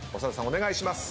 お願いします。